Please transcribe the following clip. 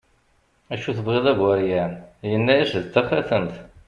acu tebɣiḍ a bu ɛeryan, yenna-as d taxatemt